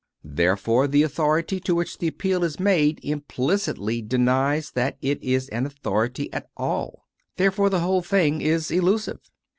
Therefore the authority CONFESSIONS OF A CONVERT 105 to which the appeal is made implicitly denies that it is an authority at all. Therefore the whole thing is illusive.